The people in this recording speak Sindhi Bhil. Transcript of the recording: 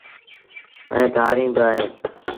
ائيٚݩ تآريٚݩ بااوهيݩ۔